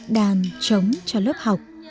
đàn trống cho lớp học